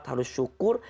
tiga harus syukur